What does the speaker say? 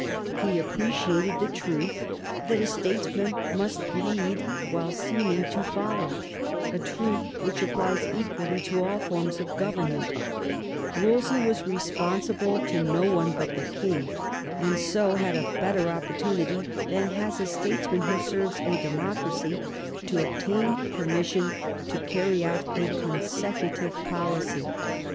He appreciated the truth that a statesman must lead while seeming to follow — a truth which applies equally to all forms of government Wolsey was re sponsible to no one but the king, and so had a better opportunity than has a statesman who serves a demo cracy to obtain permission to carry out a consecutive policy.